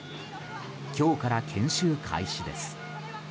今日から研修開始です。